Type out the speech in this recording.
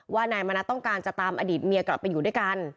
นายมณัฐต้องการจะตามอดีตเมียกลับไปอยู่ด้วยกัน